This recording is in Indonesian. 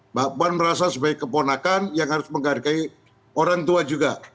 mbak puan merasa sebagai keponakan yang harus menghargai orang tua juga